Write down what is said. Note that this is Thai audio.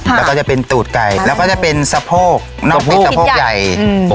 แล้วก็จะเป็นตูดไก่แล้วก็จะเป็นสะโพกน้ำพริกสะโพกใหญ่อืม